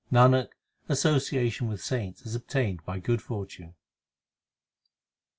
Nanak, association with saints is obtained by good fortune.